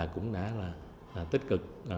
cũng đã tích cực